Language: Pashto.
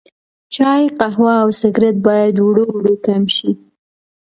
چای، قهوه او سګرټ باید ورو ورو کم شي.